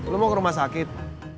lo mau ke rumah sakit